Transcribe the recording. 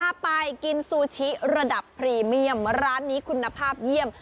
พาไปกินซูชิระดับพรีเมียมร้านนี้คุณภาพเยี่ยม